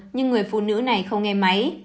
nhưng người phụ nữ này không nghe máy